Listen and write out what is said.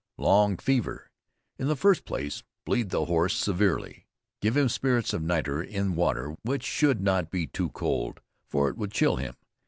LONG FEVER. In the first place bleed the horse severely. Give him spirits of nitre, in water which should not be too cold, for it would chill him.